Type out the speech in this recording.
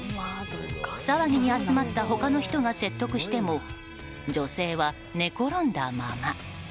騒ぎに集まった他の人が説得しても女性は寝転んだまま。